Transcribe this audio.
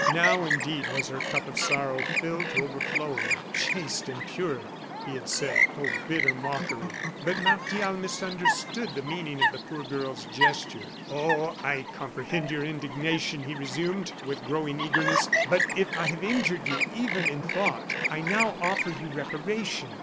Now, indeed, was her cup of sorrow filled to overflowing. "Chaste and pure!" he had said. Oh, bitter mockery! But Martial misunderstood the meaning of the poor girl's gesture. "Oh! I comprehend your indignation," he resumed, with growing eagerness. "But if I have injured you even in thought, I now offer you reparation.